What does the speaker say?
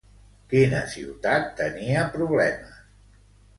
Quina ciutat tenia problemes?